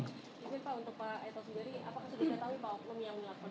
terima kasih pak untuk pak eto sudari